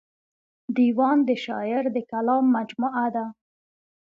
دېوان د شاعر د کلام مجموعه ده.